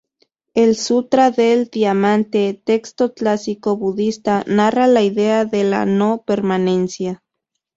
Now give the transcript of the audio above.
El "Sutra del Diamante", texto clásico Budista, narra la idea de la no-permanencia.